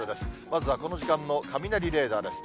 まずはこの時間の雷レーダーです。